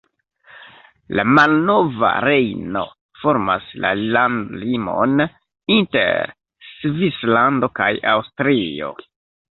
La Malnova Rejno formas la landlimon inter Svislando kaj Aŭstrio.